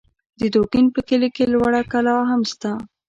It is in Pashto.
د دوکین په کلي کې لوړه کلا هم سته